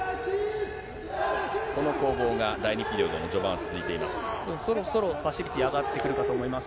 この攻防が第２ピリオドの序盤、続いています。